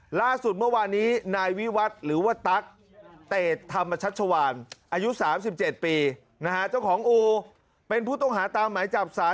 ล่าสุดเมื่อวานนี้นายวิวัตรหรือว่าตั๊กเตศธรรมชัชวานอายุ๓๗ปีนะฮะเจ้าของอูเป็นผู้ต้องหาตามหมายจับสาร